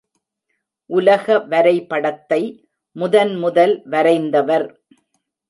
உலக வரை படத்தை முதன் முதல் வரைந்தவர்!